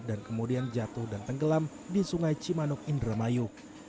dan kemudian jatuh dan tenggelam di sungai cimanuk indramayu